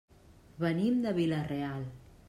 Venim de Vila-real.